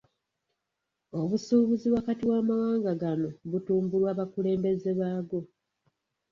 Obusuubuzi wakati w'amawanga gano butumbulwa bakulembeze baago.